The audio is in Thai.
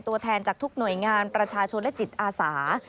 ตัวแทนจากทุกหน่วยงานประชาชนและจิตอาสา